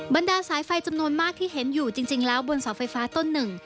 บรรดาสายไฟจำนวนมากที่เห็นอยู่จริงแล้วบนเสาไฟฟ้าต้นหนึ่ง